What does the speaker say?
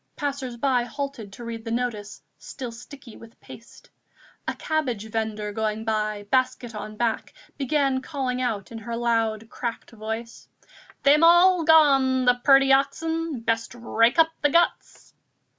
Passers by halted to read the notice, still sticky with paste. A cabbage vendor going by, basket on back, began calling out in her loud cracked voice: "They'm all gone, the purty oxen! best rake up the guts!"